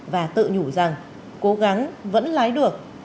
và tự nhủ rằng cố gắng vẫn lái được